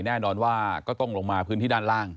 แน่นอนว่าก็ต้องลงมาพื้นที่ด้านล่าง